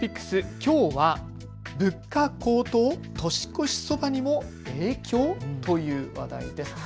きょうは物価高騰、年越しそばにも影響？という話題です。